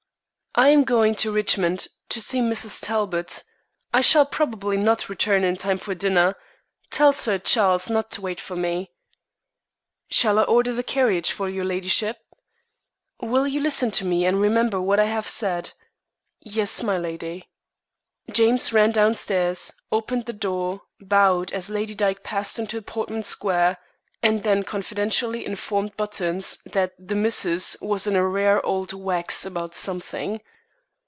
"I am going to Richmond to see Mrs. Talbot. I shall probably not return in time for dinner. Tell Sir Charles not to wait for me." "Shall I order the carriage for your ladyship?" "Will you listen to me and remember what I have said?" "Yes, milady." James ran downstairs, opened the door, bowed as Lady Dyke passed into Portman Square, and then confidentially informed Buttons that "the missus" was in a "rare old wax" about something.